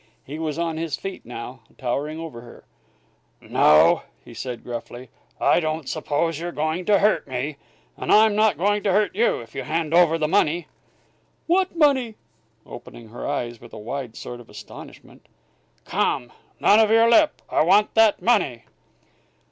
He was on his feet now, towering over her. "No," said he, gruffly; "I don't suppose you're going to hurt me. And I'm not going to hurt you, if you hand over that money." "What money?" opening her eyes with a wide sort of astonishment. "Come! None of your lip. I want that money!"